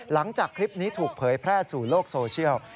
หลังจากคลิปนี้ถูกเผยแพร่สู่โลกโซเชียล